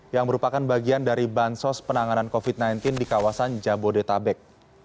yang merupakan bagian dari bansos penanganan covid sembilan belas di kawasan jabodetabek